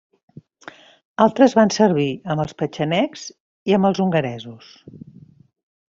Altres van servir amb els petxenegs i amb els hongaresos.